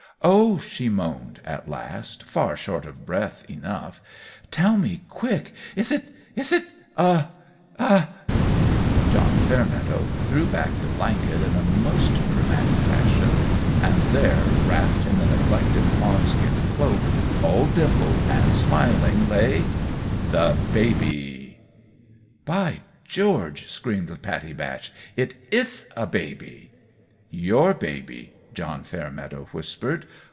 "Oh," she moaned, at last, far short of breath enough, "tell me quick: ith it ith it a a " John Fairmeadow threw back the blanket in a most dramatic fashion; and there, wrapped in the neglected fawn skin cloak, all dimpled and smiling, lay THE BABY! "By George!" screamed Pattie Batch; "it ith a baby!" "Your baby," John Fairmeadow whispered.